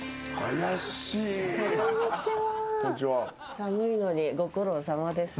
寒いのにご苦労さまですね。